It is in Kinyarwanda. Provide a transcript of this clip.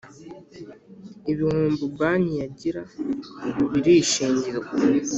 ibihombo banki yagira birishingirwa